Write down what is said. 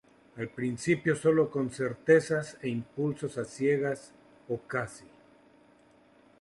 Al principio sólo con certezas e impulsos a ciegas, o casi.